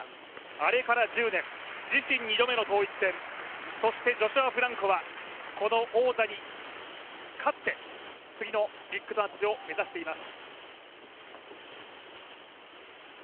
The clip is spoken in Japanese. あれから１０年、自身２度目の統一戦、そしてジョシュア・フランコはこの王座に勝って次のビッグマッチを目指しています。